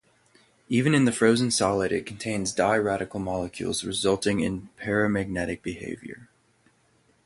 Even in the frozen solid it contains di-radical molecules resulting in paramagnetic behavior.